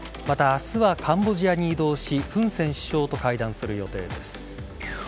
また、明日はカンボジアに移動しフン・セン首相と会談する予定です。